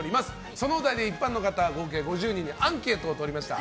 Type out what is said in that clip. そのお題で一般の方合計５０人にアンケートをとりました。